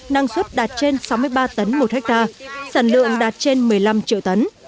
năng suất đạt trên sáu mươi ba tấn một hectare sản lượng đạt trên một mươi năm triệu tấn